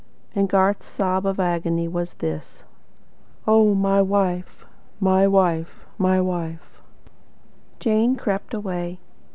And Garth's sob of agony was this: "OH, MY WIFE MY WIFE MY WIFE!" Jane crept away.